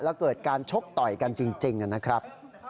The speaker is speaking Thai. แล้วเกิดการชกต่อยกันจริงนะครับ